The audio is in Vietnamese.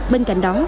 bên cạnh đó